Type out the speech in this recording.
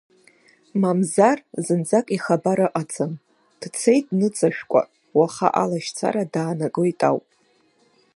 Мамзар, зынӡак ихабар ыҟаӡам, дцеит дныҵашәкәа, уаха алашьцара даанагоит ауп.